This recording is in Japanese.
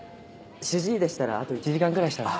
主治医でしたらあと１時間ぐらいしたら。